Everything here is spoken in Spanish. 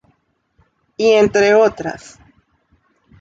Y entre otras.